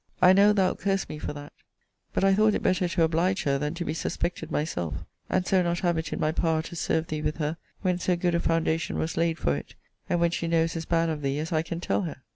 I know thou'lt curse me for that; but I thought it better to oblige her than to be suspected myself; and so not have it in my power to serve thee with her, when so good a foundation was laid for it; and when she knows as bad of thee as I can tell her.